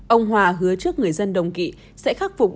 ông hòa hứa trước người dân đồng kỵ sẽ khắc phục